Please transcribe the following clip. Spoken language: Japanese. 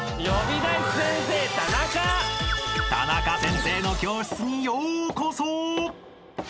［タナカ先生の教室にようこそ］